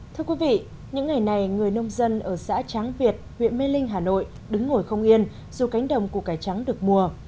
thưa quý vị những ngày này người nông dân ở xã tráng việt huyện mê linh hà nội đứng ngồi không yên dù cánh đồng của cải trắng được mùa